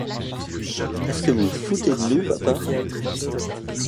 est-ce que vous vous foutez de nous, papa ?